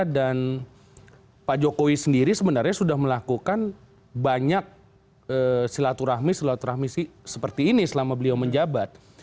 dan pak jokowi sendiri sebenarnya sudah melakukan banyak silaturahmi silaturahmi seperti ini selama beliau menjabat